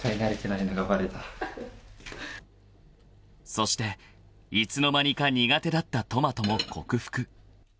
［そしていつの間にか苦手だったトマトも克服］